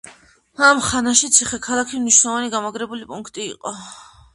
ამ ხანაში ციხე-ქალაქი მნიშვნელოვანი გამაგრებული პუნქტი იყო.